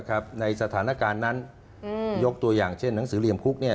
ในสถานการณ์นั้นยกตัวอย่างเช่นหนังสือเหลี่ยมคุก